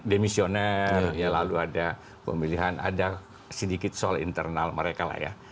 demisioner ya lalu ada pemilihan ada sedikit soal internal mereka lah ya